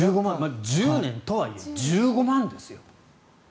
１０年とはいえ１５万ですよ。